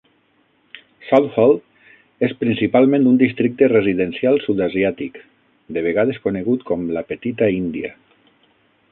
Southall és principalment un districte residencial sud-asiàtic, de vegades conegut com la "Petita Índia".